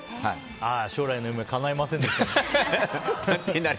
将来の夢かないませんでしたね。